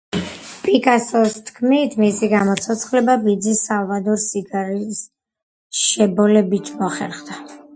პიკასოს თქმით, მისი გამოცოცხლება ბიძის, სალვადორის სიგარის შებოლებით მოხერხდა.